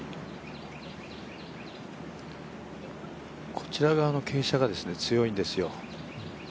こちら側の傾斜が強いんですよ。